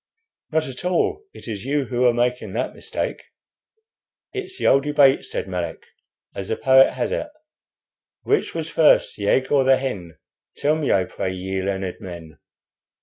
"Not at all; it is you who are making that mistake." "It's the old debate," said Melick. "As the poet has it: "'Which was first, the egg or the hen? Tell me, I pray, ye learned men!'"